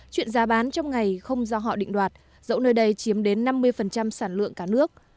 chuyện giá bán trong ngày không do họ định đoạt dẫu nơi đây chiếm đến năm mươi sản lượng cả nước